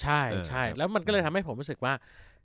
ใช่แล้วมันก็เลยทำให้ผมรู้สึกว่า